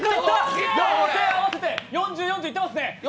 両手で４０・４０いってますね。